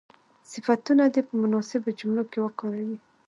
صفتونه دې په مناسبو جملو کې وکاروي.